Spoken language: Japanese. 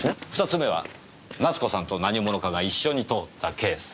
２つ目は奈津子さんと何者かが一緒に通ったケース。